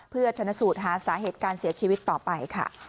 เพื่อชนะสูตรหาสาเหตุการเสียชีวิตต่อไปค่ะ